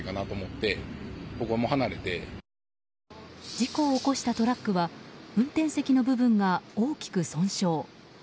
事故を起こしたトラックは運転席の部分が大きく損傷。